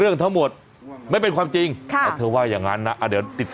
นี่ไง